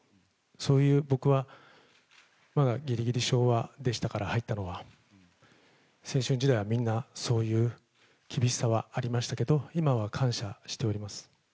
そういう僕は、まだぎりぎり昭和でしたから、入ったのが、青春時代はみんな、そういう厳しさはありましたけれども、今は感謝しております。